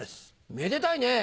めでたいね。